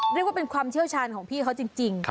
เรียกว่าเป็นความเชี่ยวชาญของพี่เขาจริง